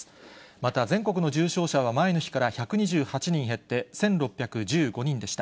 また、全国の重症者は、前の日から１２８人減って１６１５人でした。